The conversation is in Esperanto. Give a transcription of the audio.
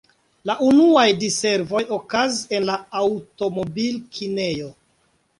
La unuaj diservoj okazis en la aŭtomobil-kinejo.